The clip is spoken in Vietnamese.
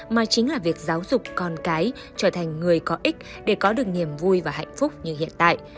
mà chính là việc giáo dục con cái trở thành người có ích để có được niềm vui và hạnh phúc như hiện tại